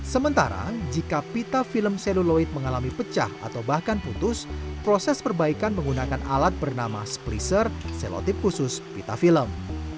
sementara jika pita film seluloid mengalami pecah atau bahkan putus proses perbaikan menggunakan alat bernama spreasure selotip khusus pita film